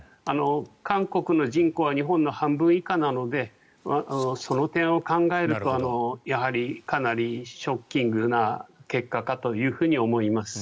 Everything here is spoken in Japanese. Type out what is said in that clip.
韓国の人口は日本の半分以下なのでその点を考えるとやはりかなりショッキングな結果かと思います。